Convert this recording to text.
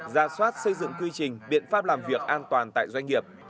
ra soát xây dựng quy trình biện pháp làm việc an toàn tại doanh nghiệp